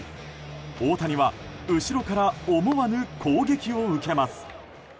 大谷は、後ろから思わぬ口撃を受けます。